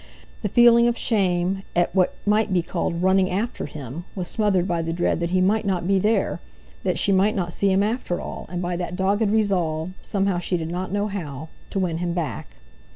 The feeling of shame at what might be called "running after him" was smothered by the dread that he might not be there, that she might not see him after all, and by that dogged resolve—somehow, she did not know how—to win him back.